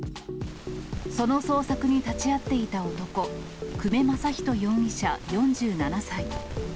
その捜索に立ち会っていた男、久米優仁容疑者４７歳。